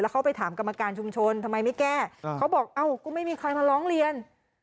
เขาไปถามกรรมการชุมชนทำไมไม่แก้เขาบอกเอ้าก็ไม่มีใครมาร้องเรียน